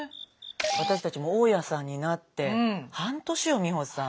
私たちも大家さんになって半年よ美穂さん。